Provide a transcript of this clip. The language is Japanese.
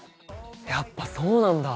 やっぱそうなんだ。